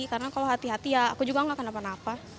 karena kalau hati hati ya aku juga gak akan apa apa